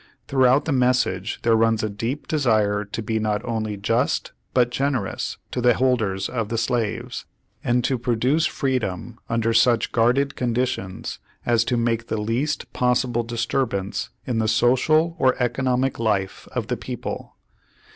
Throughout the message there runs a deep desire to be not only just but generous to the holders of slaves, and to produce freedom under such guarded conditions as to make the least pos sible disturbance in the social or economic life of the people.